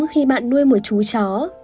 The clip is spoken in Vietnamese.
khi bạn nuôi một chú chó